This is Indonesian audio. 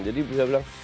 jadi bisa dibilang